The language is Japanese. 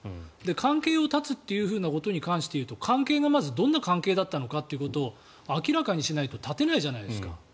関係を絶つということに関して言うと関係がまず、どんな関係だったのかということを明らかにしないと絶てないじゃないですか。